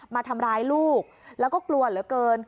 มาทำร้ายลูกแล้วก็กลัวเหลือเกิน